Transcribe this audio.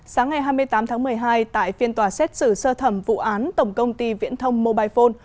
sáng ngày hai mươi tám tháng một mươi hai tại phiên tòa xét xử sơ thẩm vụ án tổng công ty viễn thông mobile phone